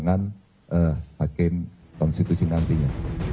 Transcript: jadi pertimbangan hakim konstitusi nantinya